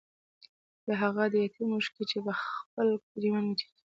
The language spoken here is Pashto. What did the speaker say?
يا هاغه د يتيم اوښکې چې پۀ خپل ګريوان وچيږي